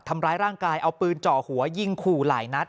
ทำร้ายร่างกายเอาปืนเจาะหัวยิงขู่หลายนัด